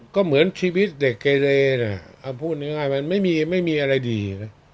ก็เหมือนชีวิตเด็กเกเลนะพูดง่ายมันไม่มีอะไรดีนะ